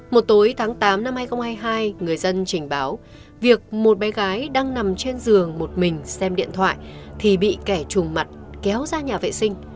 một tối tháng tám năm hai nghìn hai mươi hai người dân trình báo việc một bé gái đang nằm trên giường một mình xem điện thoại thì bị kẻ trùm mặt kéo ra nhà vệ sinh